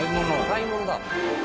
買い物だ。